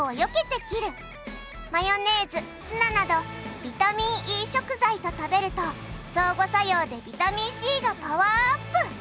マヨネーズツナなどビタミンＥ食材と食べると相互作用でビタミンＣがパワーアップ！